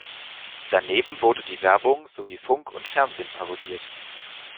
Daneben wurde die Werbung sowie Funk und Fernsehen parodiert.